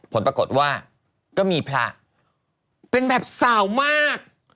ผลปรากฏว่าก็มีพระเป็นแบบสาวมาก